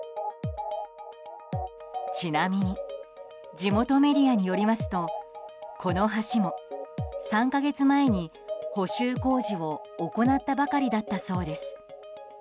ちなみに地元メディアによりますとこの橋も３か月前に補修工事を行ったばかりだったそうです。